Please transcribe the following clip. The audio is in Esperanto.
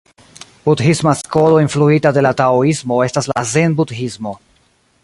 Budhisma skolo influita de la taoismo estas la zen-budhismo.